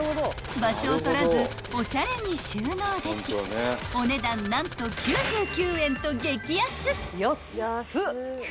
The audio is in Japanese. ［場所を取らずおしゃれに収納できお値段何と９９円と激安］